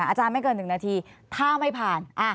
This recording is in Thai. อาจารย์ไม่เกิน๑นาทีถ้าไม่ผ่าน